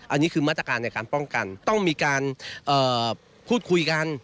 อันนี้คือมาตรการในการป้องกันต้องมีการพูดคุยกัน